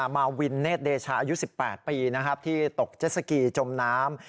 มาวินเนธเดชาอายุ๑๘ปีที่ตกเจ็ดสกีจมน้ำ